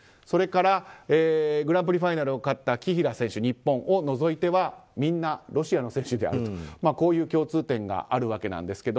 それからグランプリファイナルを勝った日本の紀平選手を除いてはみんなロシアの選手だという共通点があります。